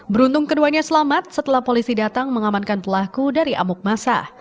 beruntung keduanya selamat setelah polisi datang mengamankan pelaku dari amuk masa